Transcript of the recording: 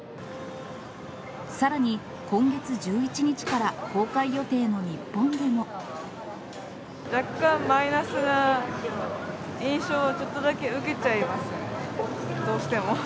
さらに、今月１１日から公開予定の日本でも。若干マイナスな印象をちょっとだけ受けちゃいますね、どうしても。